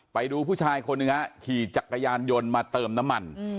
ไปดูผู้ชายคนหนึ่งฮะขี่จักรยานยนต์มาเติมน้ำมัน